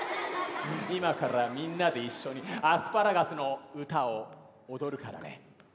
今からみんなで一緒にアスパラガスの歌を踊るからね。